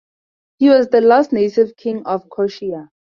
He was the last native king of Croatia.